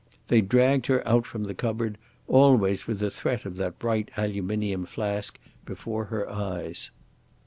They dragged her out from the cupboard, always with the threat of that bright aluminium flask before her eyes.